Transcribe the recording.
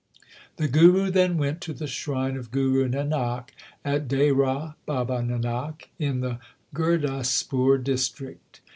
The Guru then went to the shrine of Guru Nanak at Dehra Baba Nanak in the Gurdaspur district.